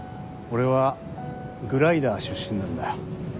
俺はグライダー出身なんだ。